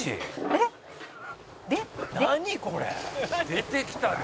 「出てきたで」